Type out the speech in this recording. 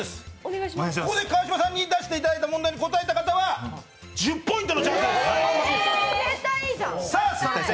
ここで川島さんに出していただいた問題に答えた方は１０ポイント。